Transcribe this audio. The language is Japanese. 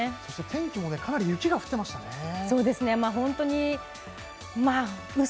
天気もかなり雪が降ってましたね。